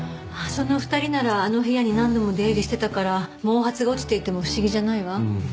その２人ならあの部屋に何度も出入りしていたから毛髪が落ちていても不思議じゃないわ。